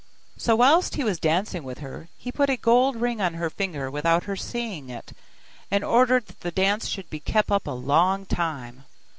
So whilst he was dancing with her, he put a gold ring on her finger without her seeing it, and ordered that the dance should be kept up a long time.